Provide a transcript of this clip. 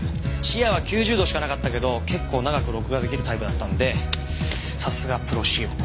視野は９０度しかなかったけど結構長く録画出来るタイプだったんでさすがプロ仕様。